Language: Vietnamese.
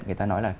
người ta nói là